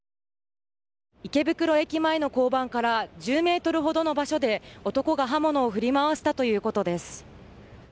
池袋駅前の交番から１０ｍほどの場所で男が刃物を振り回したということです。